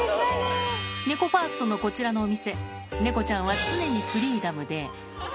猫ファーストのこちらのお店、猫ちゃんは常にフリーダムで。